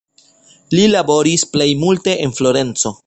Li laboris plej multe en Florenco.